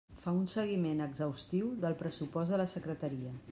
Fa un seguiment exhaustiu del pressupost de la Secretaria.